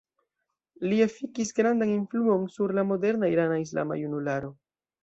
Li efikis grandan influon sur la moderna irana islama junularo.